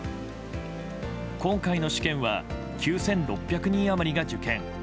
今回の試験は９６００人余りが受験。